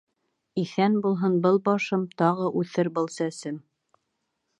Иҫән булһын был башым, тағы үҫер был сәсем.